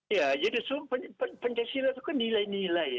ya jadi pancasila itu kan nilai nilai